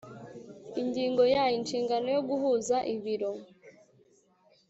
Ingingo ya Inshingano yo guhuza ibiro